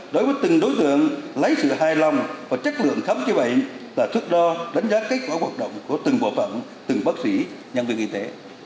đối với từng đối tượng lấy sự hài lòng và chất lượng khám chữa bệnh là thước đo đánh giá kết quả hoạt động của từng bộ phận từng bác sĩ nhân viên y tế